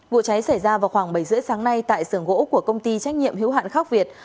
vụ cháy xảy ra vào khoảng bảy h ba mươi sáng nay tại sưởng gỗ của công ty trách nhiệm hiếu hạn khắc việt